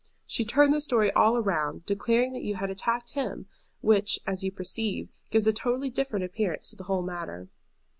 She turned the story all round, declaring that you had attacked him, which, as you perceive, gives a totally different appearance to the whole matter.